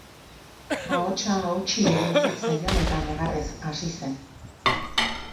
Ahotsa hautsi egin zitzaion eta negarrez hasi zen.